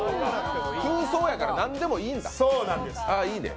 空想やから何でもいいんだ。